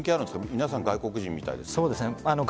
皆さん外国人みたいですが。